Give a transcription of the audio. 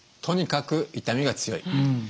とにかく痛みが強い。